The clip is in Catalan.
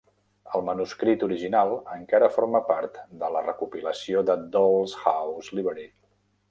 El manuscrit original encara forma part de la recopilació de Dolls' House Library.